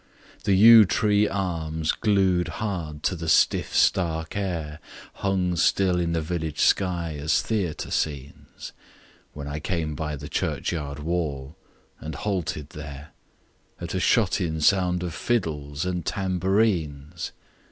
"The yew tree arms, glued hard to the stiff stark air, Hung still in the village sky as theatre scenes When I came by the churchyard wall, and halted there At a shut in sound of fiddles and tambourines.